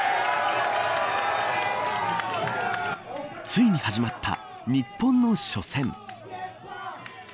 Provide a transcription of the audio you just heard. ついに始まった日本の初戦。